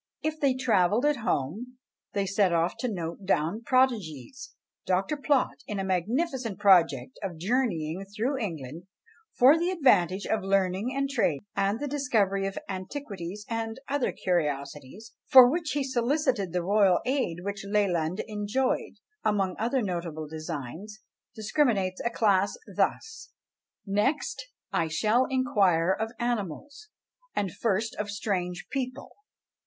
If they travelled at home, they set off to note down prodigies. Dr. Plott, in a magnificent project of journeying through England, for the advantage of "Learning and Trade," and the discovery of "Antiquities and other Curiosities," for which he solicited the royal aid which Leland enjoyed, among other notable designs, discriminates a class thus: "Next I shall inquire of animals; and first of strange people."